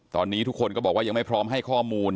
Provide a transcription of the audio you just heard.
ตอนนี้ทุกคนก็บอกว่ายังไม่พร้อมให้ข้อมูล